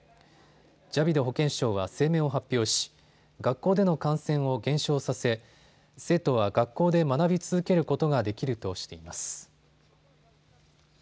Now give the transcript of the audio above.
ジャビド保健相は声明を発表し、学校での感染を減少させ生徒は学校で学び続けることができるとしています。